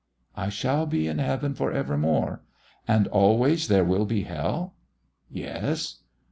"I shall be in heaven for evermore, and always there will be hell." "Yes."